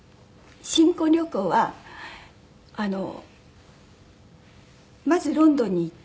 新婚旅行はあのまずロンドンに行って。